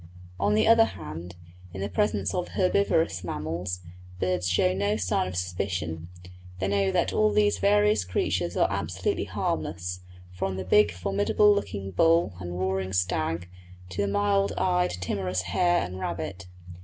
On the other hand, in the presence of herbivorous mammals, birds show no sign of suspicion; they know that all these various creatures are absolutely harmless, from the big formidable looking bull and roaring stag, to the mild eyed, timorous hare and rabbit.